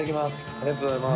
ありがとうございます。